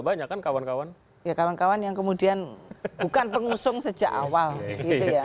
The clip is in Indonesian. banyakkan kawan kawan ke kawan kawan yang kemudian bukan pengusung sejak awal itu ya